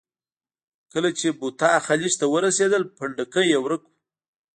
کله چې بوتا خلیج ته ورسېدل، پنډکی یې ورک و.